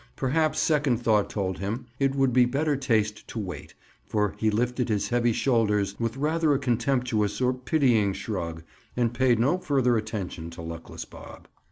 Perhaps second thought told him it would be better taste to wait, for he lifted his heavy shoulders with rather a contemptuous or pitying shrug and paid no further attention to luckless Bob.